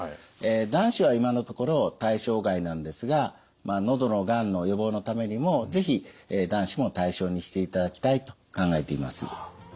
男子は今のところ対象外なんですが喉のがんの予防のためにも是非男子も対象にしていただきたいと考えています。